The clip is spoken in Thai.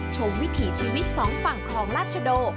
วิถีชีวิตสองฝั่งคลองราชโด